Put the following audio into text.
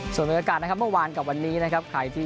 ส่วนมากว่ากาตระกับวันนี้นะครับใครที่